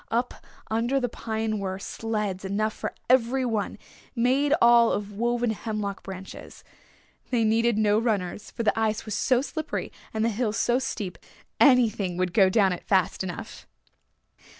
Up under the pine were sleds enough for every one, made all of woven hemlock branches. They needed no runners for the ice was so slippery and the hill so steep anything would go down it fast enough.